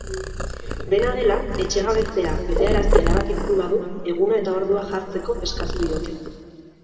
Dena dela, etxegabetzea betearaztea erabakitzen badu eguna eta ordua jartzeko eskatu diote.